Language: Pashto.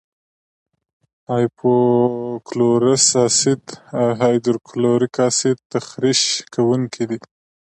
هایپو کلورس اسید او هایدروکلوریک اسید تخریش کوونکي دي.